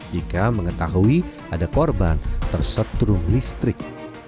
jika mengetahui ada korban tersetrum listrik